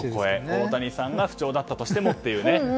大谷さんが不調だったとしてもというね。